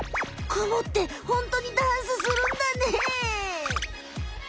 クモってホントにダンスするんだね！